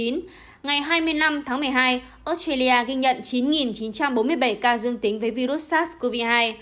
ngày hai mươi năm tháng một mươi hai australia ghi nhận chín chín trăm bốn mươi bảy ca dương tính với virus sars cov hai